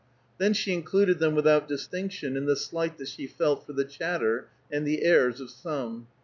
Then she included them without distinction in the slight that she felt for the chatter and the airs of some.